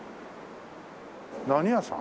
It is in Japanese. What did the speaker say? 何屋さん？